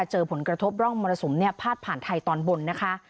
เจอผลกระทบร่องมรสุมเนี่ยพาดผ่านไทยตอนบนนะคะ